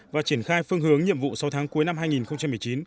và triển khai phương hướng nhiệm vụ sáu tháng cuối năm hai nghìn một mươi chín